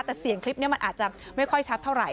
แต่เสียงคลิปนี้มันอาจจะไม่ค่อยชัดเท่าไหร